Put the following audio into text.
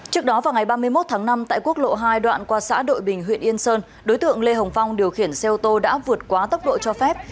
trước đó vào ngày ba mươi một tháng năm tại quốc lộ hai đoạn qua xã đội bình huyện yên sơn đối tượng lê hồng phong điều khiển xe ô tô đã vượt quá tốc độ cho phép